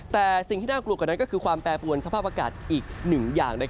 แต่สิ่งที่น่ากลัวกว่านั้นก็คือความแปรปวนสภาพอากาศอีกหนึ่งอย่าง